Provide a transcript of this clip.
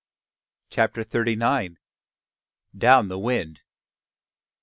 CHAPTER THIRTY NINE. DOWN THE WIND.